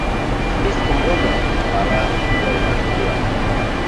Спискым возо, вара вольнаште лият.